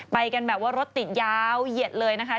ไปกันแบบว่ารถติดยาวเหยียดเลยนะคะ